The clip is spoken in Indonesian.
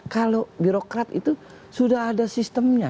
kalau birokrat itu sudah ada sistemnya